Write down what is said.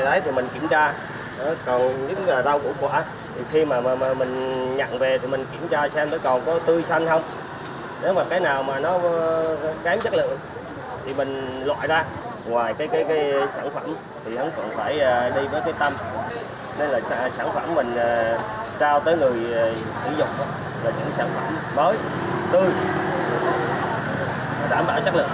nên là sản phẩm mình trao tới người sử dụng là những sản phẩm mới tươi đảm bảo chất lượng